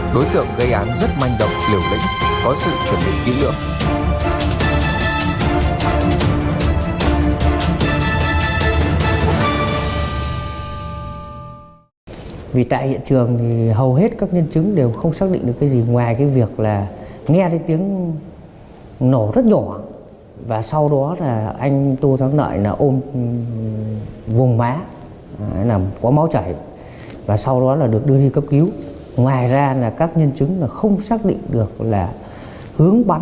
đối tượng gây án rất manh động liều lĩnh có sự chuẩn bị kỹ lượng